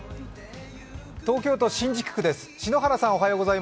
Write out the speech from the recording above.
東京都新宿区です。